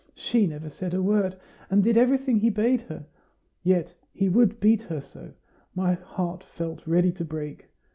She never said a word, and did everything he bade her. Yet he would beat her so, my heart felt ready to break.